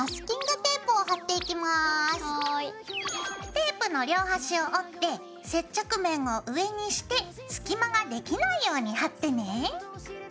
テープの両端を折って接着面を上にして隙間ができないように貼ってね。